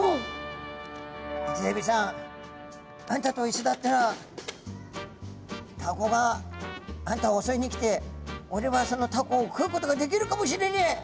「イセエビさんあんたといっしょだったらタコがあんたをおそいに来ておれはそのタコを食うことができるかもしれねえ。